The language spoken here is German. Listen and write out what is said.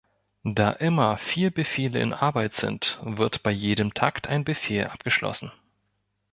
Da immer vier Befehle in Arbeit sind, wird bei jedem Takt ein Befehl abgeschlossen.